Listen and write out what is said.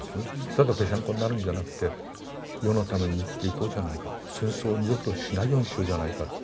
ただぺしゃんこになるんじゃなくて世のために生きていこうじゃないかと戦争を二度としないようにしようじゃないかというそういう話をした。